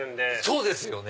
そうですよね！